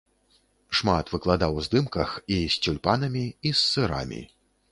Шмат выкладаў здымках і з цюльпанамі, і з сырамі.